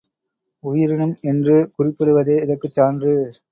உயிரினும் என்று குறிப்பிடுவதே இதற்குச் சான்று.